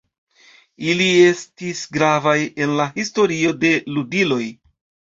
Ili estis gravaj en la historio de ludiloj.